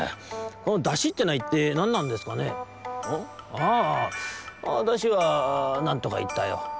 あだしはなんとかいったよ。